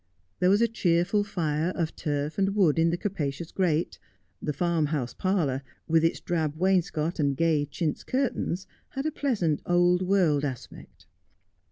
There was a cheerful fire of turf and wood in the capacious grate. The farmhouse parlour, with its drab wainscot and gay chintz curtains, had a pleasant old world aspect.